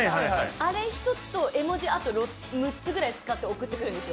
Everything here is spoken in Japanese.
あれ１つと絵文字６つぐらい使って送ってくるんですよ。